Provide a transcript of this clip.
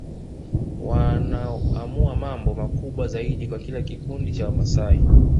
Wanaoamua mambo makubwa zaidi kwa kila kikundi cha Wamasai